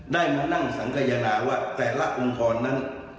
ได้มานั่งสังขยนาว่าแต่ละองค์กรนั้น